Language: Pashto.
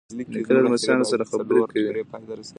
نیکه له لمسیانو سره خبرې کوي.